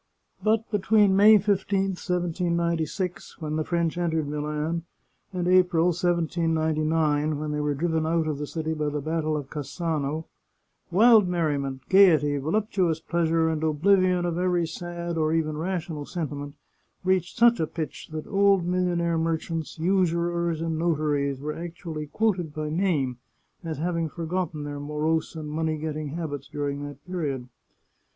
But between May 15, 1796, when the French entered 0 The Chartreuse of Parma Milan, and April, 1799, when they were driven out of the city by the battle of Cassano, wild merriment, gaiety, voluptuous pleasure, and oblivion of every sad, or even ra tional sentiment, reached such a pitch that old millionaire merchants, usurers, and notaries were actually quoted by name as having forgotten their morose and money getting habits during that period.